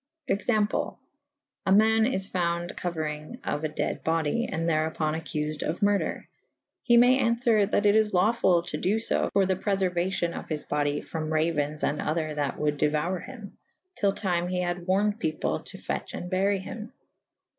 Example. A man is founde coueryng of a dede body / and therupon accufed of murder /he may anfwere that it is laufull to do fo for the preferuacyon of his body froOT rauons and other that wold deuoure hym / tyll tyme he had warned people to fetche & bury hym.